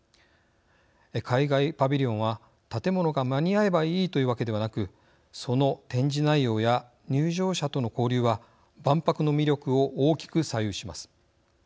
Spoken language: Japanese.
海外パビリオンは建物が間に合えばいいというわけではなくその展示内容や入場者との交流は万博の魅力を大きく左右します。